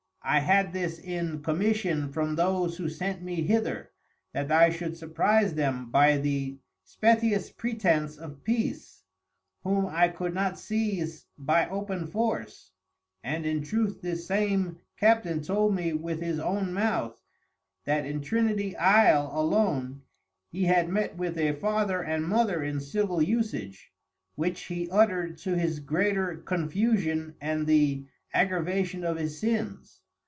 _ I had this in commission from those who sent me hither, that I should surprize them by the spetious pretense of Peace, whom I could not sieze by open Force, and in truth this same Captain told me with his own Mouth, that in Trinity Isle alone, he had met with a Father and Mother in Civil usage, which he uttered to his greater Confusion and the aggravation of his Sins.